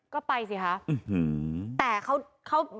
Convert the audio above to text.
ก็ไปสิคะแต่เขา